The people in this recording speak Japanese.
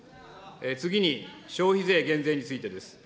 次に消費税減税についてです。